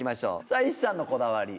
さぁ石ちゃんのこだわり。